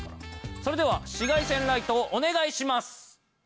それでは紫外線ライトお願いします。